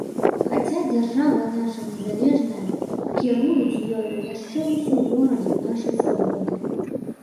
Хаця дзяржава наша незалежная, кіруюць ёю яшчэ ўсё ворагі нашай свабоды.